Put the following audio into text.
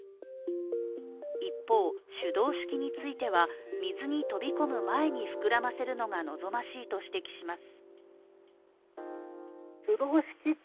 一方、手動式については水に飛び込む前に膨らませるのが望ましいと指摘します。